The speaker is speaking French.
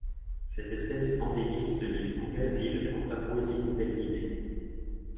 Cette espèce est endémique de l'île Bougainville en Papouasie-Nouvelle-Guinée.